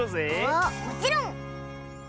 おっもちろん！